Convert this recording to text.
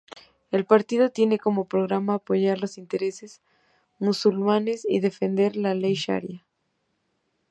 El partido tiene como programa apoyar los intereses musulmanes y defender la ley sharia.